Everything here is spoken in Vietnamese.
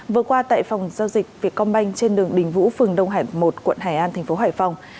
vừa qua tại phòng giao dịch việc công banh trên đường đình vũ phường đông hải một quận hải an tp hải phòng